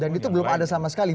dan itu belum ada sama sekali